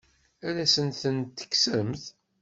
Ad asen-tent-tekksemt?